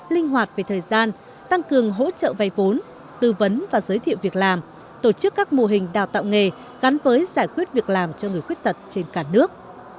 linh hoạt về thời gian tăng cường hỗ trợ vay vốn tư vấn và giới thiệu việc làm tổ chức các mô hình đào tạo nghề gắn với giải quyết việc làm cho người khuyết tật trên cả nước